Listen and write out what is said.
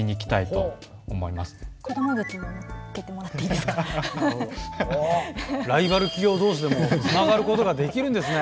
例えばライバル企業どうしでもつながることができるんですね。